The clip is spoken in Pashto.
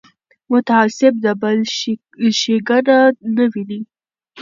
متعصب د بل ښېګڼه نه ویني